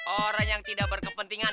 orang yang tidak berkepentingan